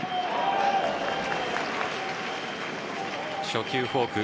初球、フォーク。